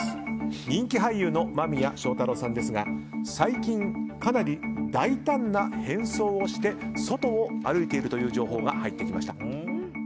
人気俳優の間宮祥太朗さんですが最近、かなり大胆な変装をして外を歩いているという情報が入ってきました。